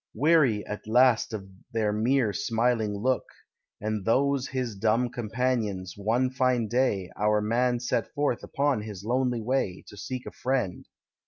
Weary at last of their mere smiling look, And those his dumb companions, one fine day, Our man set forth upon his lonely way, To seek a friend.